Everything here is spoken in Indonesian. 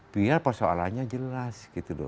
biar persoalannya jelas